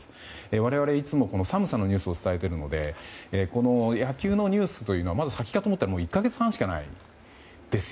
我々いつも寒さのニュースを伝えているので野球のニュースというのはまだ先かと思ったら１か月半しかないです。